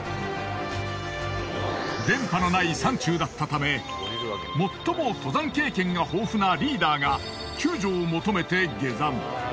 電波のない山中だったため最も登山経験が豊富なリーダーが救助を求めて下山。